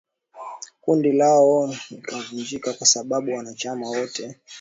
Kundi lao likavunjika kwa sababu wanachama wote